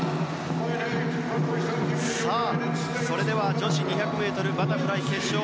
それでは女子２００ｍバタフライ決勝。